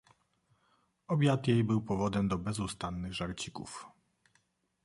"Obiad jej był powodem do bezustannych żarcików."